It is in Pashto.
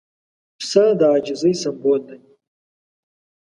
پسه د عاجزۍ سمبول دی.